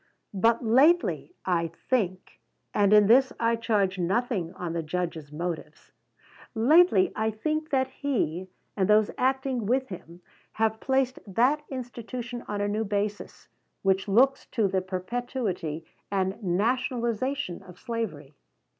But lately, I think, and in this I charge nothing on the Judge's motives, lately, I think that he, and those acting with him, have placed that institution on a new basis, which looks to the perpetuity and nationalization of slavery.